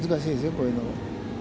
こういうの。